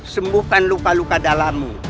sembukan luka luka dalammu